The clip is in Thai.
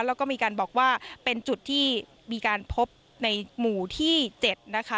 แล้วก็มีการบอกว่าเป็นจุดที่มีการพบในหมู่ที่๗นะคะ